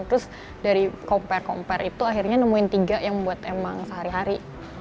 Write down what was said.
terus dari compare compare itu akhirnya nemuin tiga yang buat emang sehari hari